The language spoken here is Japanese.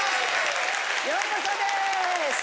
ようこそです。